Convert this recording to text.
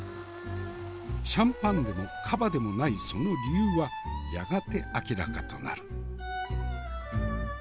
シャンパンでもカヴァでもないその理由はやがて明らかとなる。